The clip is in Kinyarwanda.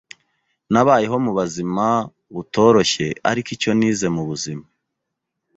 Nabayeho mu bazima butoroshye ariko icyo nize mu buzima